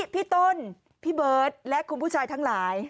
พี่ต้นพี่เบิร์ตและคุณผู้ชายทั้งหลาย